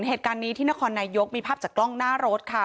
เหตุการณ์นี้ที่นครนายกมีภาพจากกล้องหน้ารถค่ะ